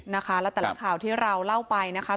และแต่ละข่าวที่เราเล่าไปนะคะ